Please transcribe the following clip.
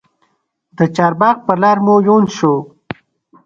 د چارباغ پر لار مو یون سو